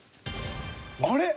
あれ？